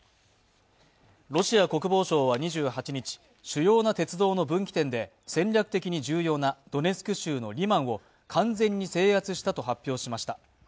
ロシア国防省は、２８日、主要な鉄道の分岐点で戦略的に重要なドネツク州リマンを完全に制圧したと発表しました。